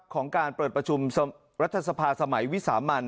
ของการเปิดประชุมรัฐสภาสมัยวิสามัน